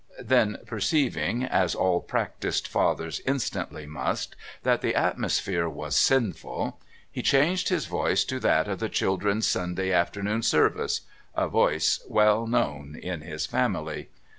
Then perceiving, as all practised fathers instantly must, that the atmosphere was sinful, he changed his voice to that of the Children's Sunday Afternoon Service a voice well known in his family.